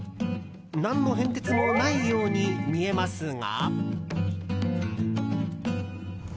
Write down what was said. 何の変哲もないように見えますが。